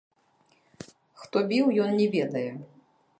Хто біў, ён не ведае.